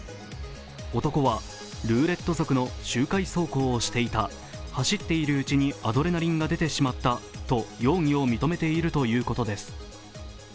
男はルーレット族の周回走行をしていた、走っているうちにアドレナリンが出てしまったと容疑を認めているということです。